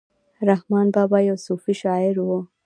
رحمان بابا یو صوفي شاعر ؤ